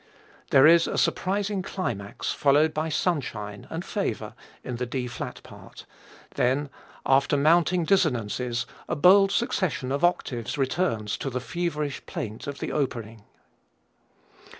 There is a surprising climax followed by sunshine and favor in the D flat part, then after mounting dissonances a bold succession of octaves returns to the feverish plaint of the opening.